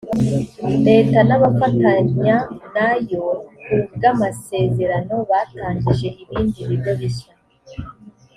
leta n abafatanya nayo ku bw amasezerano batangije ibindi bigo bishya